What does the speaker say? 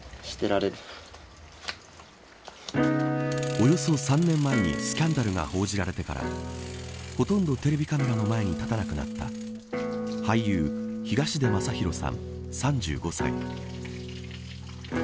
およそ３年前にスキャンダルが報じられてからほとんどテレビカメラの前に立たなくなった俳優、東出昌大さん、３５歳。